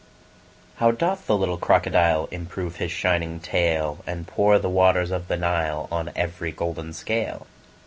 HOW doth the little crocodile Improve his shining tail, And pour the waters of the Nile On every golden scale!